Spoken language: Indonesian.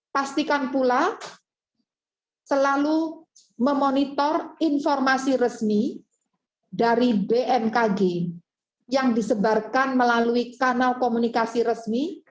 pastikan pula selalu memonitor informasi resmi dari bmkg yang disebarkan melalui kanal komunikasi resmi